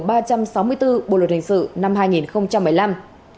bộ luật hình sự năm hai nghìn một mươi năm